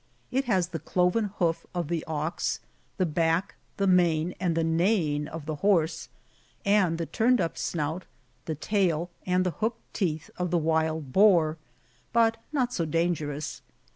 It has the cloven hoof of the ox ; the back, the mane, and the neighing of the horse ; and the tunied up snout, the tail, and the hooked teeth of the wild boar, but not so dangerous.